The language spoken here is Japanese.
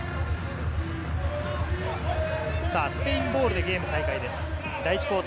スペインボールでゲーム再開です。